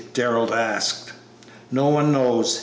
Darrell asked. "No one knows.